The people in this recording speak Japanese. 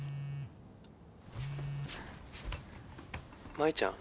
舞ちゃん。